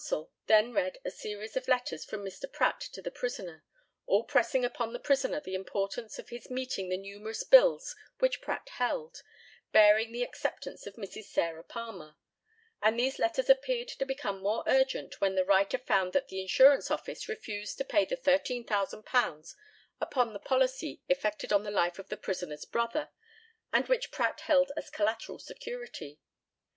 The learned counsel then read a series of letters from Mr. Pratt to the prisoner, all pressing upon the prisoner the importance of his meeting the numerous bills which Pratt held, bearing the acceptance of Mrs. Sarah Palmer; and these letters appeared to become more urgent when the writer found that the insurance office refused to pay the £13,000 upon the policy effected on the life of the prisoner's brother, and which Pratt held as collateral security.